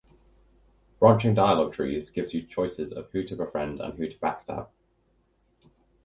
Branching dialogue trees gives you choices of who to befriend and who to backstab.